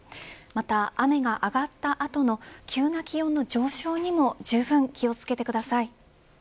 また雨が上がった後の急な気温の上昇にもじゅうぶん気を付けてください。